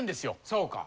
そうか。